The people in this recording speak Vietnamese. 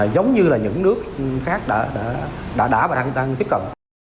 giống như là những nước khác đã và đang tiếp cận